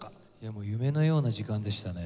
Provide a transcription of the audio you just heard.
もう夢のような時間でしたね。